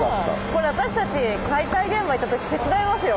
これ私たち解体現場行った時手伝えますよ。